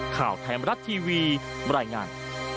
ข่าวไทยมรัฐทีวีบรรยายงาน